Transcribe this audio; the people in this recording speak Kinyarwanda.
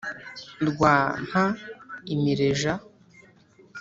rwa mpa-imireja